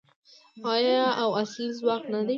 آیا او اصلي ځواک نه دی؟